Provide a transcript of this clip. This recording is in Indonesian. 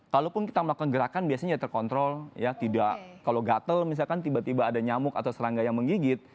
kalaupun kita melakukan gerakan biasanya ya terkontrol ya tidak kalau gatel misalkan tiba tiba ada nyamuk atau serangga yang menggigit